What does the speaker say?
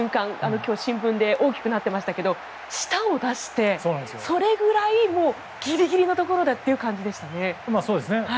今日、新聞で大きく出ていましたが舌を出してそれぐらいぎりぎりのところだという感じでしたね。